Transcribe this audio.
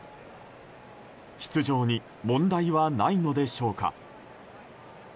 出場に問題はないのでしょうか。